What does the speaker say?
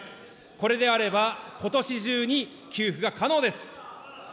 これであれば、ことし中に給付が可能です。